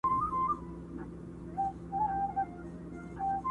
همدا پوښتني کيسه له کورني حالت څخه ټولنيز او .